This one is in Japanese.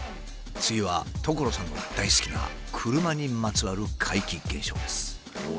次は所さんの大好きな車にまつわる怪奇現象です。